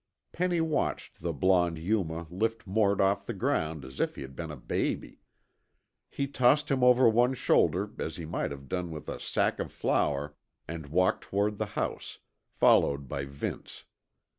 Penny watched the blond Yuma lift Mort off the ground as if he had been a baby. He tossed him over one shoulder as he might have done with a sack of flour and walked toward the house, followed by Vince.